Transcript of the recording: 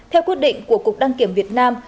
theo quyết định của cục đăng kiểm việt nam